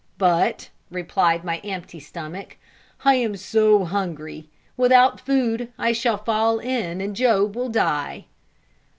"But," replied my empty stomach, "I am so hungry; without food, I shall fall in, and Job will die."